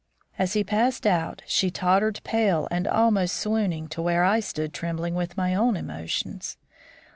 As he passed out, she tottered pale and almost swooning to where I stood trembling with my own emotions.